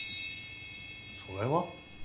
それは？